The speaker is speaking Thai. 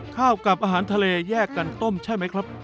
ข้าวกับอาหารทะเลแยกกันต้มใช่ไหมครับ